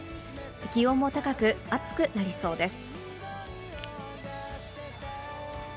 気温も高く、暑くなりそうです。